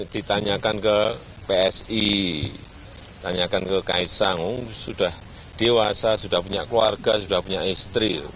ditanyakan ke psi tanyakan ke kaisang sudah dewasa sudah punya keluarga sudah punya istri